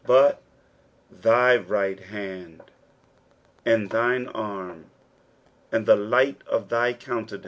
'■'But tky right hand, and thine arm, and the light of thy »«n(</ian«."